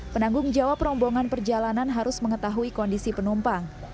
penanggung jawab rombongan perjalanan harus mengetahui kondisi penumpang